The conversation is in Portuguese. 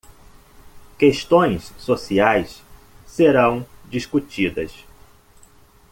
Questões sociais serão discutidas.